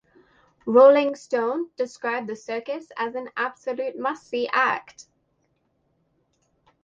"Rolling Stone" described the circus as an "absolute must-see act".